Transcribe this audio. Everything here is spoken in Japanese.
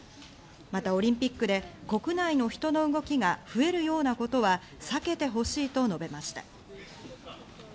またオリンピックで国内の人の動きが増えるようなことは避けてほしいと述べました。